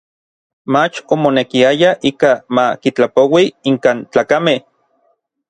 Mach omonekiaya ikaj ma kitlapoui inkan tlakamej.